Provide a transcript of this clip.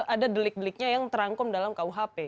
ada delik deliknya yang terangkum dalam kuhp